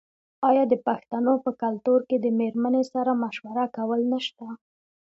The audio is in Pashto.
آیا د پښتنو په کلتور کې د میرمنې سره مشوره کول نشته؟